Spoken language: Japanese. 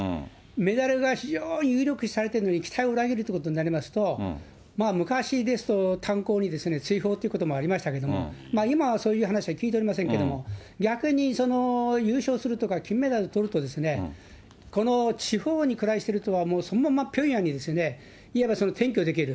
メダルが非常に有力視されてるのに期待を裏切るということになりますと、昔ですと、炭鉱に追放ってこともありましたけども、今はそういう話は聞いておりませんけれども、逆にその優勝するとか、金メダルとると、この地方に暮らしてる人は、そのままピョンヤンに、いわば転居できる。